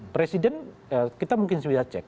presiden kita mungkin sudah cek